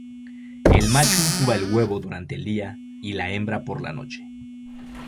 El macho incuba el huevo durante el día y la hembra por la noche.